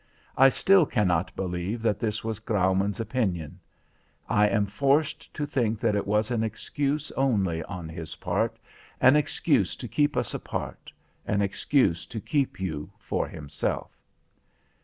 I still cannot believe that this was Graumann's opinion. I am forced to think that it was an excuse only on his part, an excuse to keep us apart, an excuse to keep you for himself.